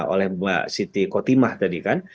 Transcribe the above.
oleh mbak siti kotimah tadi kan